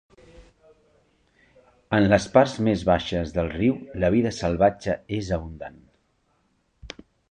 En les parts més baixes del riu, la vida salvatge és abundant.